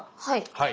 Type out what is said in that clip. はい。